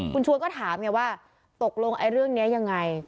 คุณชวนก็ถามไงว่าตกลงไอ้เรื่องนี้ยังไง